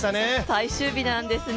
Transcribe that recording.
最終日なんですね。